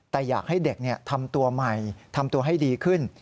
แต่อยากให้เด็กทำตัวใหม่ทำตัวให้ดีขึ้น